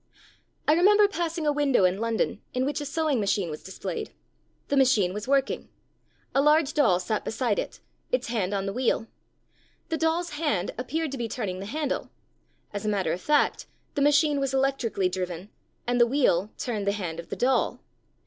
I remember passing a window in London in which a sewing machine was displayed. The machine was working. A large doll sat beside it, its hand on the wheel. The doll's hand appeared to be turning the handle. As a matter of fact, the machine was electrically driven, and the wheel turned the hand of the doll.